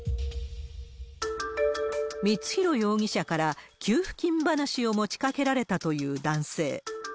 光弘容疑者から給付金話を持ちかけられたという男性。